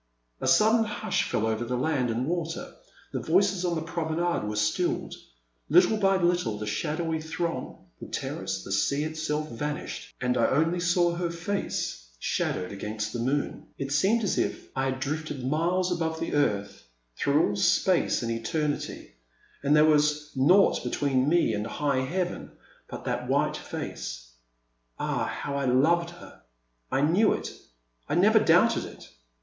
A sudden hush fell over land and water, the voices on the promenade were stilled; little by little the shadowy throng, the terrace, the sea itself vanished, and I only saw her face, shadowed against the moon. It seemed as if I had drifted miles above the earth, through all space and eternity, and there was nought between me and high Heaven but The Man at the Next Table. 373 that white face. Ah, how I loved her ! I knew it — I never doubted it.